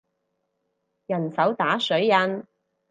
人手打水印